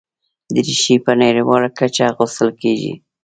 دریشي په نړیواله کچه اغوستل کېږي.